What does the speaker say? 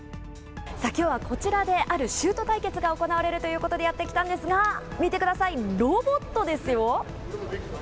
きょうはこちらで、あるシュート対決が行われるということで、やって来たんですが、見てください、ロボットですよ。